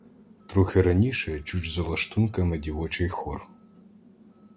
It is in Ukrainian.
Трохи раніше чуть за лаштунками дівочий хор.